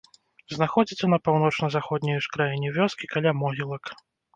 Знаходзіцца на паўночна-заходняй ускраіне вёскі, каля могілак.